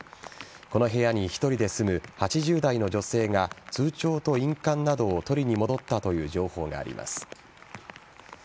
この部屋に１人で住む８０代の女性が通帳と印鑑などを取りに戻ったという情報があります。